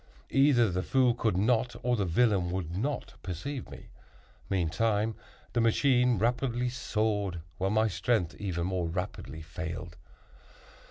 Either the fool could not, or the villain would not perceive me. Meantime the machine rapidly soared, while my strength even more rapidly failed.